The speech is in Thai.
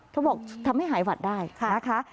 เขาบอกทำให้หายหวัดได้นะคะ